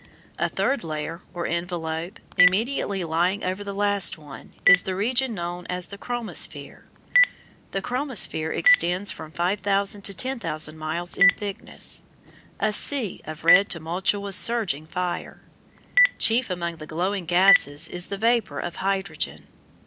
A third layer or envelope immediately lying over the last one is the region known as the chromosphere. The chromosphere extends from 5,000 to 10,000 miles in thickness a "sea" of red tumultuous surging fire. Chief among the glowing gases is the vapour of hydrogen.